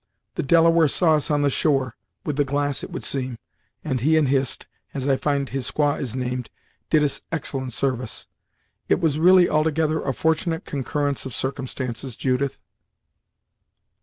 The Delaware saw us on the shore, with the glass it would seem, and he and Hist, as I find his squaw is named, did us excellent service. It was really altogether a fortunate concurrence of circumstances, Judith."